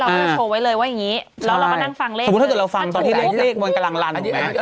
เราจะโชว์ไว้เลยว่าอย่างงี้ใช่แล้วเรามานั่งฟังเลขสมมุติถ้าเราฟังตอนที่เลขมันกำลังรันอันนี้อ่า